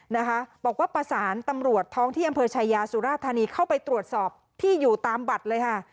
นะคะบอกว่าประสานตำรวจท้องที่อำเภอชายาสุราธานีเข้าไปตรวจสอบที่อยู่ตามบัตรเลยค่ะ